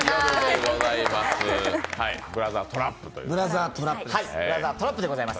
「ブラザー・トラップ」でございます。